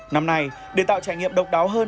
năm nay để tạo trải nghiệm độc đáo hơn